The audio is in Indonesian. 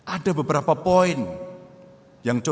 ada beberapa poin